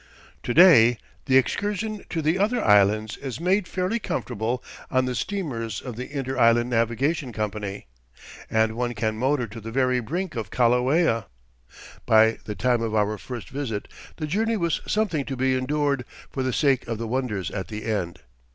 To day the excursion to the other islands is made fairly comfortable on the steamers of the Inter Island Navigation Company, and one can motor to the very brink of Kilauea. But at the time of our first visit the journey was something to be endured, for the sake of the wonders at the end.